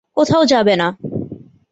কোথাও যাবে না।